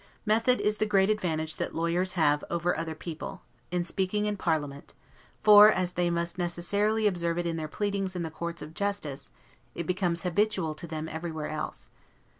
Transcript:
Method is the great advantage that lawyers have over other people, in speaking in parliament; for, as they must necessarily observe it in their pleadings in the courts of justice, it becomes habitual to them everywhere else.